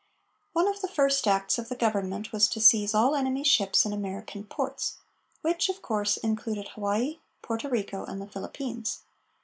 One of the first acts of the government was to seize all enemy ships in American ports which, of course, included Hawaii, Porto Rico and the Philippines.